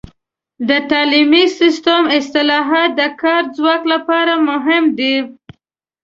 د تعلیمي سیستم اصلاحات د کاري ځواک لپاره مهم دي.